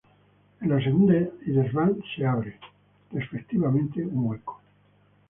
En la segunda y desván se abre, respectivamente, un hueco.